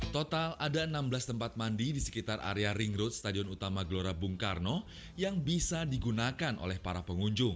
total ada enam belas tempat mandi di sekitar area ring road stadion utama gelora bung karno yang bisa digunakan oleh para pengunjung